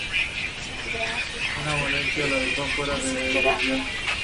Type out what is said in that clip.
Una molestia lo dejó afuera del mundial.